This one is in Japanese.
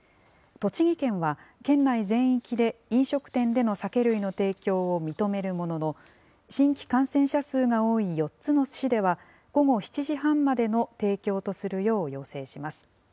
栃木県は、県内全域で飲食店での酒類の提供を認めるものの、新規感染者数が多い４つの市では、午後７時半までの提供とするよう要請します。